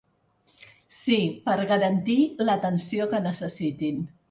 Sí, per garantir l’atenció que necessitin.